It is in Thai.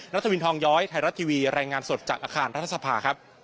รัฐวินทองย้อยไทยรัฐทีวีรายงานสดจากอาคารรัฐสภาครับ